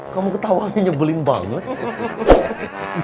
kamu ketawa ini nyebelin banget